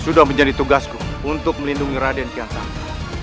sudah menjadi tugasku untuk melindungi raden piansan